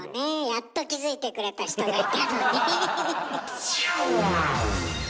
やっと気付いてくれた人がいたのに。